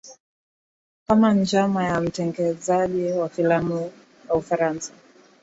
Kama njama ya mtengenezaji wa filamu wa Ufaransa